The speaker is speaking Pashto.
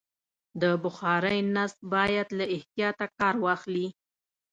د بخارۍ نصب باید له احتیاطه کار واخلي.